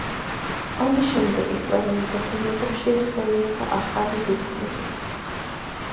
ამის შემდეგ ისტორიულ დოკუმენტებში იხსენიება „ახალი დუქნები“.